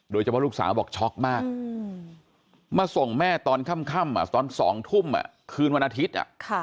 ลูกสาวบอกช็อกมากมาส่งแม่ตอนค่ำตอน๒ทุ่มคืนวันอาทิตย์